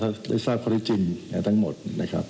ได้แต่ทราบพอเต้าจริงมันตั้งหมดนะครับ